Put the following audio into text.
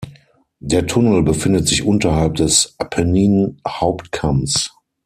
Der Tunnel befindet sich unterhalb des Apennin-Hauptkamms.